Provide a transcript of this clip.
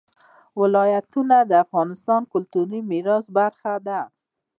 ولایتونه د افغانستان د کلتوري میراث برخه ده.